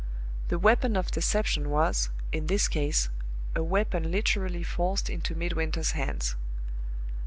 The weapon of deception was, in this case, a weapon literally forced into Midwinter's hands.